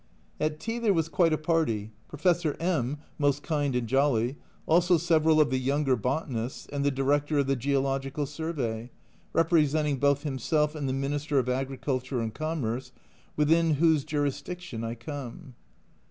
At tea there was quite a party. Professor M most kind and jolly also several of the younger botanists, and the Director of the Geological Survey, representing both himself and the Minister of Agriculture and Commerce, within whose jurisdiction I come.